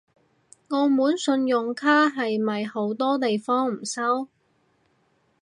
澳門信用卡係咪好多地方唔收？